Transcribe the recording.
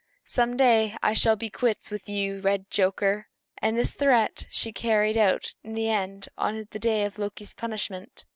Some day I shall be quits with you, red joker!" And this threat she carried out in the end, on the day of Loki's punishment.